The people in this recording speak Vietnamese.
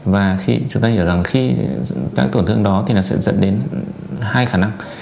và chúng ta hiểu rằng khi các tổn thương đó thì sẽ dẫn đến hai khả năng